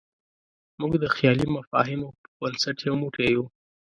موږ د خیالي مفاهیمو په بنسټ یو موټی یو.